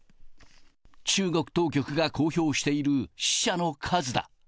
中国当局が公表している死者の数だ。